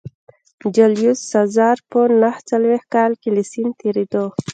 جیولیوس سزار په نهه څلوېښت کال کې له سیند تېرېده